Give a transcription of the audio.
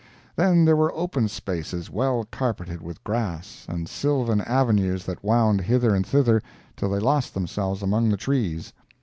Then there were open spaces well carpeted with grass, and sylvan avenues that wound hither and thither till they lost themselves among the trees.